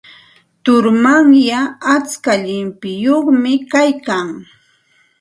Turumanyay atska llimpiyuqmi kaykan.